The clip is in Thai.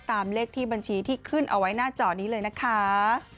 เลขที่บัญชีที่ขึ้นเอาไว้หน้าจอนี้เลยนะคะ